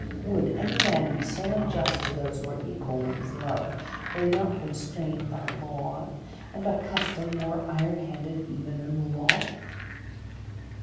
Would any man be so unjust to those who are equal in his love, were he not constrained by law, and by custom more iron handed even than the law?"